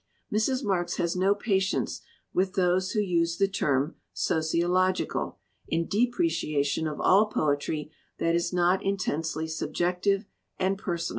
Mrs. Marks has no patience with those who use the term "sociological" in depreciation of all poetry that is not intensely subjective and personal.